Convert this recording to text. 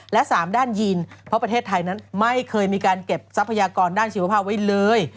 และสามด้านยีนเพราะประเทศไทยนั้นไม่เคยมีการเก็บทรัพยากรด้านชีวภาพไว้เลย